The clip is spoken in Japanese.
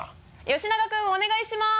吉永君お願いします！